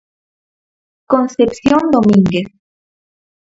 Concepción Domínguez.